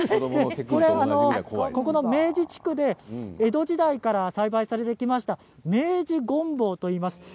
明治地区で江戸時代から栽培されてきました明治ごんぼうといいます。